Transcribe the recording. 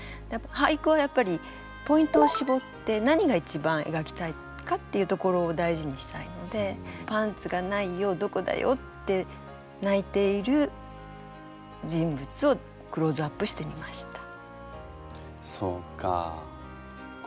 俳句はやっぱりポイントを絞って何が一番えがきたいかっていうところを大事にしたいので「パンツがないよどこだよ」って泣いている人物をクローズアップしてみました。